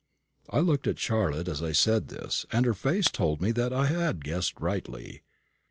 I looked at Charlotte as I said this, and her face told me that I had guessed rightly.